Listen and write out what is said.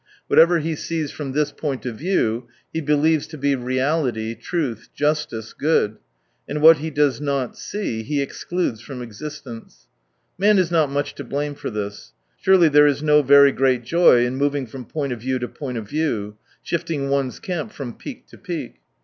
What ever he sees from this point of view, he believes to be reality, truth, justice, good — and what he does not see he excludes from existence, Man is not much to blame for this. Surely there is no very great joy in moving from point of view to point of view, shifting one's camp from peak to peak.